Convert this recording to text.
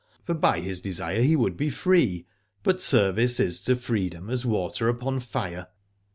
For by his desire he would be free, but service is to freedom as water upon fire.